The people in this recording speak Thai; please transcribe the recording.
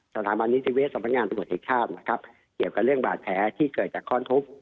สถานบันดีสิเวสสำนักงานส่วนประโยชน์หัวถ้าครับเกี่ยวกับเรื่องบาดแผลที่เกิดจากคอนทุบ